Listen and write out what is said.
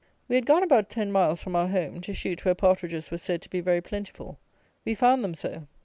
We had gone about ten miles from our home, to shoot where partridges were said to be very plentiful. We found them so.